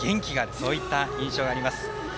そういった印象があります。